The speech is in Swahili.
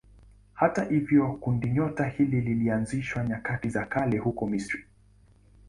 Hata hivyo kundinyota hili lilianzishwa nyakati za kale huko Misri.